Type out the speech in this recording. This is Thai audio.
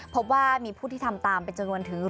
พบว่ามีผู้ที่ทำตามเป็นจำนวนถึง